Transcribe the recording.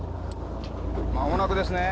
まもなくですね